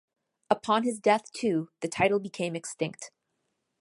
Upon his death, too, the title became extinct.